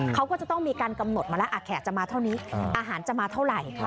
เขาก็จะต้องมีการกำหนดมาแล้วแขกจะมาเท่านี้อาหารจะมาเท่าไหร่